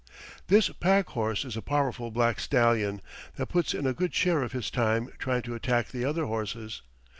This pack horse is a powerful black stallion that puts in a good share of his time trying to attack the other horses.